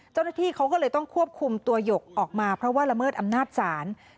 เจ้าหน้าที่เขาก็เลยต้องควบคุมตัวหยกออกมาเพราะว่าละเมิดอำนาจศาล